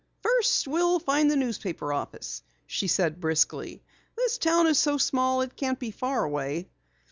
"First we'll find the newspaper office," she said briskly. "This town is so small it can't be far away."